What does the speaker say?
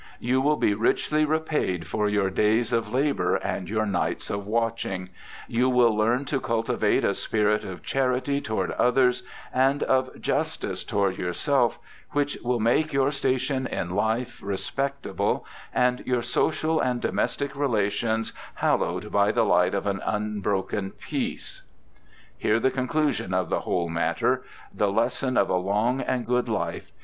You will be richly repaid for your days of labour and your nights of watching ; you will learn to cultivate a spirit of charity toward others, and of justice toward yourself, which will make your station in life respectable and your social and domestic relations hallowed by the light of an unbroken peace.' Hear the conclusion of the whole matter— the lesson of a long and good life.